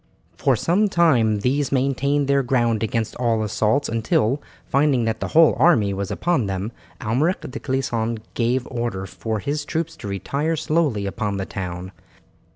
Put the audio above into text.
For some time these maintained their ground against all assaults until, finding that the whole army was upon them, Almeric de Clisson gave order for his troop to retire slowly upon the town.